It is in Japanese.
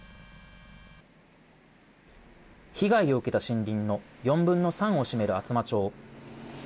被害を受けた森林の４分の３を占める厚真町。